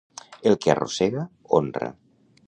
El que arrossega, honra.